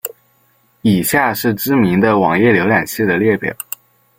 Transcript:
以下是知名的网页浏览器的列表。